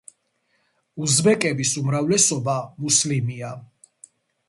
უზბეკების უმრავლესობა მუსლიმია.